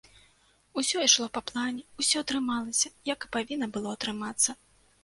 Усё ішло па плане, усё атрымалася, як і павінна было атрымацца.